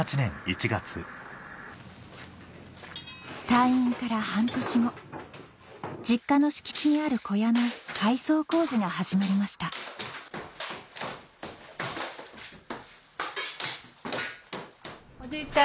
退院から半年後実家の敷地にある小屋の改装工事が始まりましたおじいちゃん